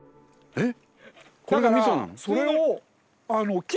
えっ！？